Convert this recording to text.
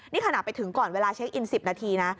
นี่ขณะไปถึงก่อนเวลาเช็คอิน๑๐นาทีนะ